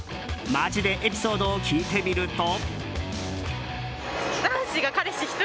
街でエピソードを聞いてみると。